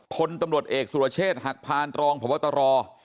คนตำรวจเอกสุรเชศหากพานรองพตร